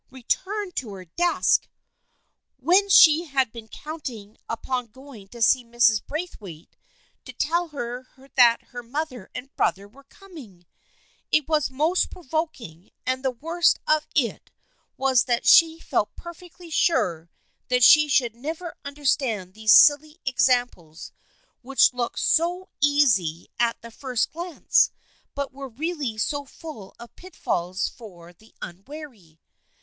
Return to her desk ! When she had been count ing upon going in to see Mrs. Braithwaite to tell her that her mother and brother were coming ! It was most provoking, and the worst of it was that she felt perfectly sure that she should never understand those silly examples which looked so easy at the first glance but were really so full of pitfalls for the unwary.